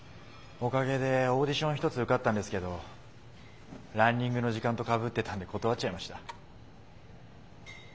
おかげでオーディション１つ受かったんですけどランニングの時間とかぶってたんで断っちゃいました。